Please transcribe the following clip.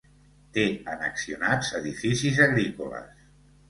Té annexionats edificis agrícoles.